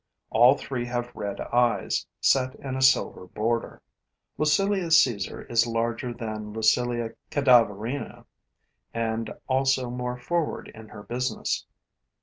All three have red eyes, set in a silver border. Lucilia Caesar is larger than L. cadaverina and also more forward in her business.